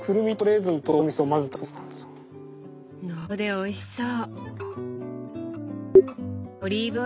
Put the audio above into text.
おいしそう！